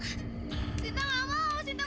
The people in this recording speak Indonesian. sinta tidak mau sinta mau pulang